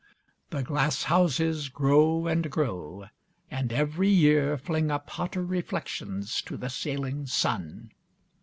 The glass houses grow and grow, and every year fling up hotter reflections to the sailing sun.